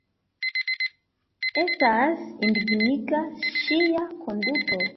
Estas indigniga ŝia konduto.